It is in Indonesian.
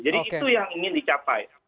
jadi itu yang ingin dicapai